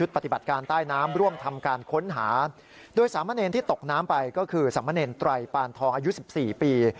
ปานทองอายุ๑๔ปี